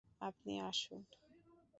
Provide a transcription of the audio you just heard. আপনি আসুন।